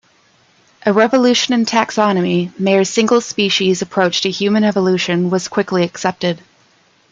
A "revolution in taxonomy", Mayr's single-species approach to human evolution was quickly accepted.